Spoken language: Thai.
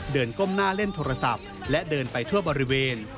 ก้มหน้าเล่นโทรศัพท์และเดินไปทั่วบริเวณ